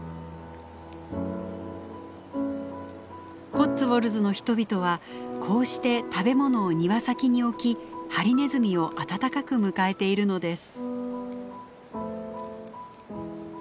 コッツウォルズの人々はこうして食べ物を庭先に置きハリネズミを温かく迎えているのです。